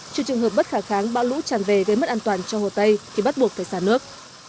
trừ trường hợp bất khả kháng bão lũ tràn về gây mất an toàn cho hồ tây thì bắt buộc phải xả nước